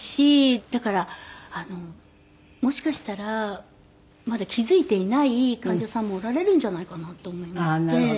だからもしかしたらまだ気付いていない患者さんもおられるんじゃないかなと思いまして。